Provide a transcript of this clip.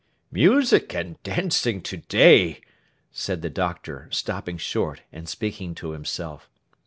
'Music and dancing to day!' said the Doctor, stopping short, and speaking to himself.